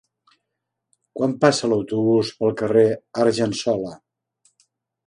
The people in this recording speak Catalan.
Quan passa l'autobús pel carrer Argensola?